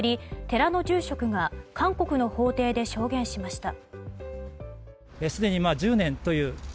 寺の住職が韓国の法廷で証言しました。